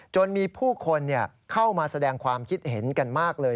จนมีผู้คนเข้ามาแสดงความคิดเห็นกันมากเลย